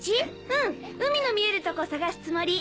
うん海の見えるとこ探すつもり。